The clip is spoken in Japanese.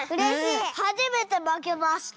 はじめてまけました。